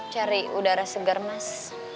cari udara segar mas